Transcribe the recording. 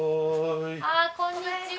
あっこんにちは。